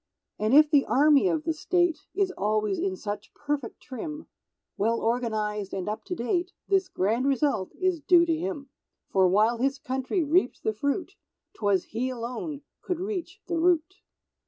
And if the Army of the State Is always in such perfect trim, Well organized and up to date, This grand result is due to him; For while his country reaped the fruit, 'Twas he alone could reach the Root.